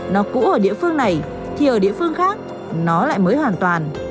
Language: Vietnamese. nó cũ ở địa phương này thì ở địa phương khác nó lại mới hoàn toàn